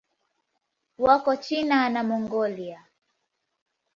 Wako China na Mongolia.